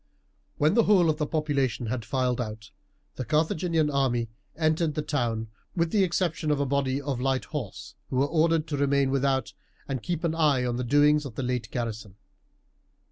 When the whole of the population had filed out, the Carthaginian army entered the town, with the exception of a body of light horse who were ordered to remain without and keep an eye on the doings of the late garrison.